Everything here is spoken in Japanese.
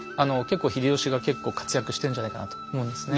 秀吉が結構活躍してんじゃないかなと思うんですね。